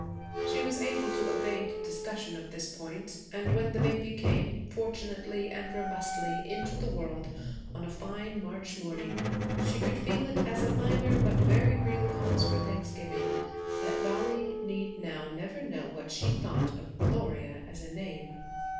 She was able to evade discussion of this point, and when the baby came, fortunately and robustly, into the world on a fine March morning, she could feel it as a minor but very real cause for thanksgiving that Dollie need now never know what she thought of Gloria as a name.